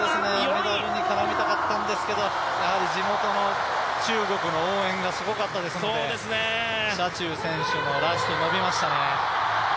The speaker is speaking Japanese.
メダルに絡みたかったんですけど、やはり地元の中国の応援がすごかったですので謝智宇選手もラスト伸びましたね。